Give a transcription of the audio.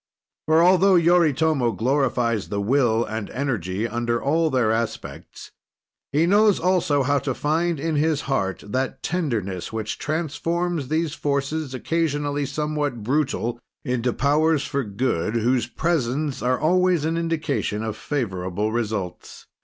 For altho Yoritomo glorifies the will and energy under all their aspects, he knows also how to find, in his heart, that tenderness which transforms these forces, occasionally somewhat brutal, into powers for good, whose presence are always an indication of favorable results.